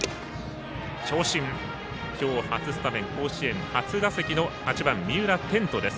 長身、今日初スタメン甲子園初打席の８番、三浦天和です。